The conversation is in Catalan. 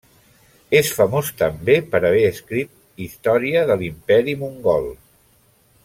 És famós també per haver escrit història de l'Imperi Mongol.